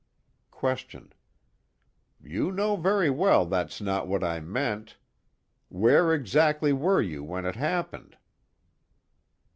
QUESTION: You know very well that's not what I meant. Where exactly were you when it happened?